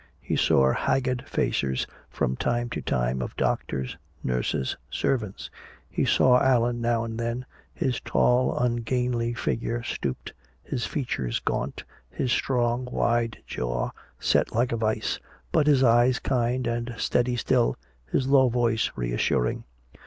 He saw haggard faces from time to time of doctors, nurses, servants. He saw Allan now and then, his tall ungainly figure stooped, his features gaunt, his strong wide jaw set like a vise, but his eyes kind and steady still, his low voice reassuring.